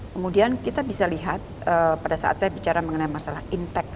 kemudian kita bisa lihat pada saat saya bicara mengenai masalah intek